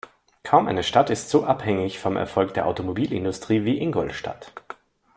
Kaum eine Stadt ist so abhängig vom Erfolg der Automobilindustrie wie Ingolstadt.